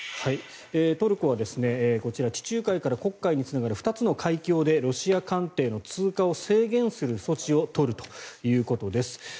トルコはこちら地中海から黒海につながる２つの海峡でロシア艦艇の通過を制限する措置を取るということです。